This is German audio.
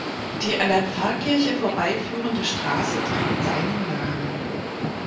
Die an der Pfarrkirche vorbeiführende Straße trägt seinen Namen.